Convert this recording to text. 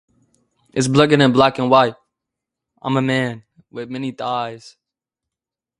The opening theme "Another World" was performed by yoshiko.